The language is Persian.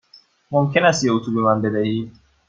ممکن است یک اتو به من بدهید؟